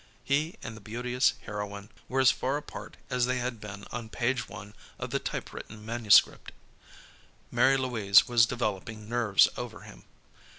He and the beauteous heroine were as far apart as they had been on Page One of the typewritten manuscript. Mary Louise was developing nerves over him.